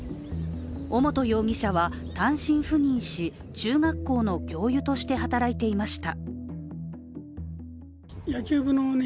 尾本容疑者は、単身赴任し中学校の教諭として働いていました。